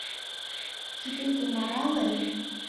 Кидетым арале...